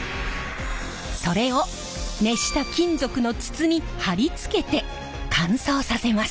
それを熱した金属の筒に張り付けて乾燥させます。